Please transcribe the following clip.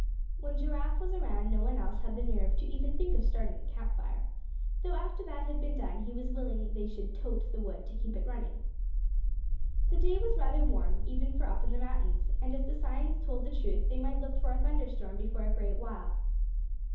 When Giraffe was around no one else had the nerve to even think of starting the camp fire; though after that had been done, he was willing they should "tote" the wood to keep it running. The day was rather warm, even for up in the mountains, and if the signs told the truth they might look for a thunder storm before a great while.